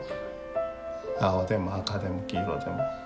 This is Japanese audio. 青でも赤でも黄色でも。